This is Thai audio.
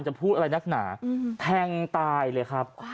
จะพูดอะไรนักหนาแทงตายเลยครับ